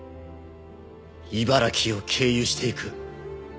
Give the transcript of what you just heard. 茨城を経由していく。